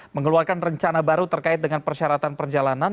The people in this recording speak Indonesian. mengeluarkan rencana baru terkait dengan persyaratan perjalanan